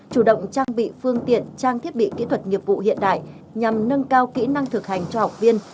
chủ động trang bị phương tiện trang thiết bị kỹ thuật nghiệp vụ hiện đại nhằm nâng cao kỹ năng thực hành cho học viên